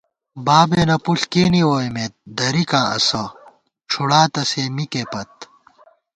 بابېنہ پُݪ کېنے ووئیمېت درِکاں اسہ، ڄُھڑاتہ سے مِکے پت